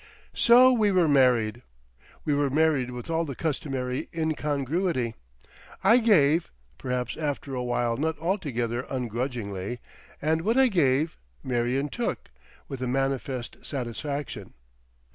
So we were married. We were married with all the customary incongruity. I gave—perhaps after a while not altogether ungrudgingly—and what I gave, Marion took, with a manifest satisfaction.